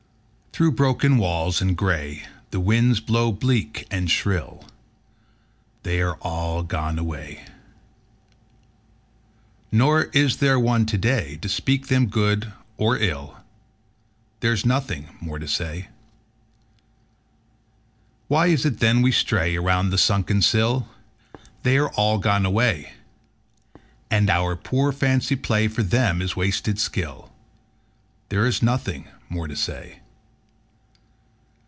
Through broken walls and gray The winds blow bleak and shrill: They are all gone away. Nor is there one today To speak them good or ill: There is nothing more to say. Why is it then we stray Around the sunken sill? They are all gone away. And our poor fancy play For them is wasted skill: There is nothing more to say.